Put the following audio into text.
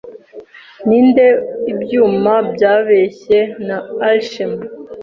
Ninde ibyuma byabeshye na alchemy